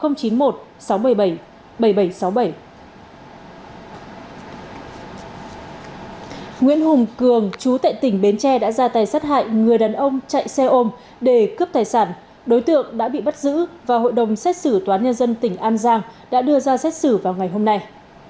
nguyễn hùng cường chú tại tỉnh bến tre đã ra tay sát hại người đàn ông chạy xe ôm để cướp tài sản đối tượng đã bị bắt giữ và hội đồng xét xử toán nhân dân tỉnh an giang đã đưa ra xét xử vào ngày hôm nay